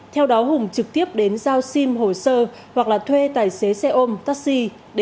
theo đó hùng trực tiếp đến giao sim hồ sơ hoặc là thuê tài xế xe ôm taxi